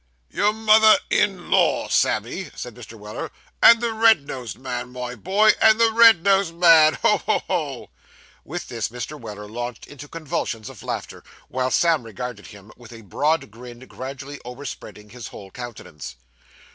'Your mother in law, Sammy,' said Mr. Weller, 'and the red nosed man, my boy; and the red nosed man. Ho! ho! ho!' With this, Mr. Weller launched into convulsions of laughter, while Sam regarded him with a broad grin gradually over spreading his whole countenance.